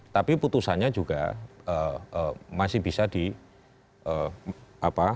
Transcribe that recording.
tapi putusannya juga masih bisa dimengikat